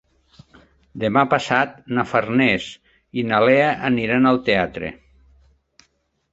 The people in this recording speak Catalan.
Demà passat na Farners i na Lea aniran al teatre.